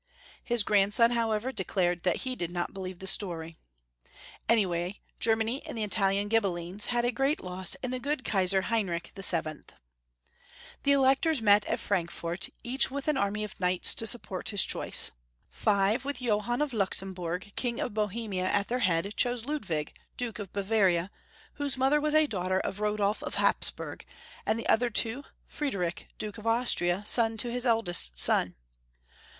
His grandson, however, declared that he did not believe the story. Any way, Ger 212 Young Folks^ History of Q ermany, many and the Italian Ghibellines had a great loss in the good Kaisar Heinrich VII. The electors met at Frankfort, each with an army of knights to support his choice. Five, with Johann of Luxembui*g, King of Bohemia, at their head, chose LudAvig, Duke of Bavaria, whose mother was a daughter of Rodolf of Hapsburg, and the other two, Friedrich, Duke of Austria, son to his eldest son.